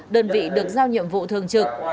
đơn vị được giao nhiệm vụ thường trực